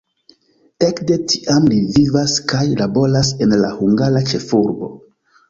Ekde tiam li vivas kaj laboras en la hungara ĉefurbo.